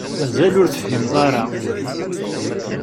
Mazal ur tefhimeḍ ara.